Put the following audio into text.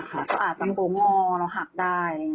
ก็อาจจะมีตัวงอแล้วหักได้